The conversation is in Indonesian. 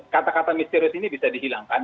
kata kata misterius ini bisa dihilangkan